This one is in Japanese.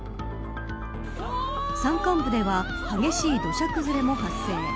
山間部では激しい土砂崩れも発生。